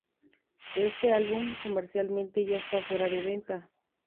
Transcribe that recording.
Este álbum, comercialmente, ya esta fuera de venta.